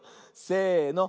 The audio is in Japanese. せの。